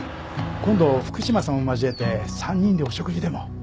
今度福島さんも交えて３人でお食事でも。